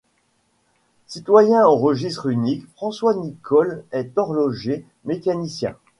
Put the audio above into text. Citoyen au Registre unique, François Nicole est horloger mécanicien.